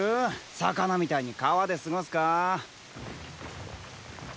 魚みたいに川で過ごすか？